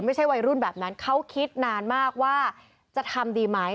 ไม่ใช่วัยรุ่นแบบนั้นเขาคิดนานมากว่าจะทำดีไหม